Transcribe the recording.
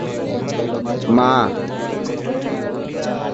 ମା!